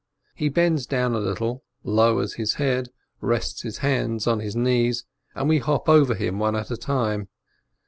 He bends down a little, lowers his head, rests his hands on his knees, and we hop over him one at a time.